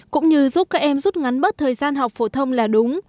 cũng như giúp các em rút ngắn bớt thời gian học phổ thông là đúng